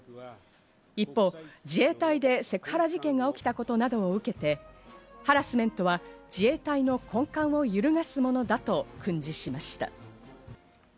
一方、自衛隊でセクハラ事件が起きたことなどを受けて、ハラスメントは自衛隊の根幹を揺るがすものだと訓示しました。